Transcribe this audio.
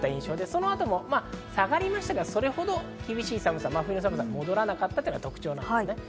その後、下がりましたけど、それほど厳しい寒さ、真冬の寒さには戻らなかったのが特徴です。